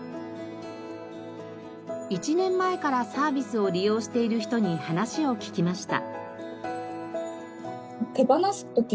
１年前からサービスを利用している人に話を聞きました。